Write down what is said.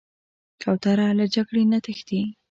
کوتره له جګړې نه تښتي.